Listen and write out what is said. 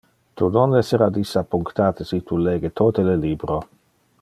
Tu non essera disappunctate si tu lege tote le libro.